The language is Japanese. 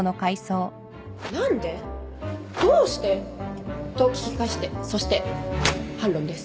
「何で？どうして？」と聞き返してそして反論です